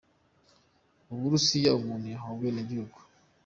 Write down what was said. U Burusiya umuntu yahawe ubwenegihugu